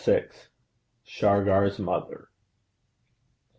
SHARGAR'S MOTHER.